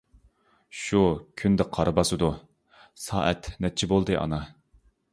-شۇ كۈندە قارا باسىدۇ، سائەت نەچچە بولدى ئانا.